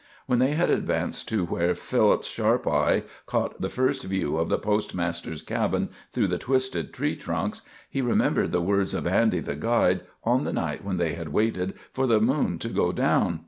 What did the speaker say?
When they had advanced to where Philip's sharp eyes caught the first view of the postmaster's cabin through the twisted tree trunks, he remembered the words of Andy, the guide, on the night when they had waited for the moon to go down.